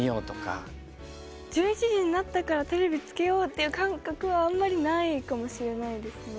ああ、１１時になったからテレビつけようっていう感覚はあんまりないかもしれないですね。